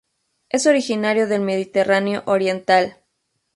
Es originario del Mediterráneo oriental.